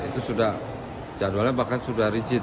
itu sudah jadwalnya bahkan sudah rigid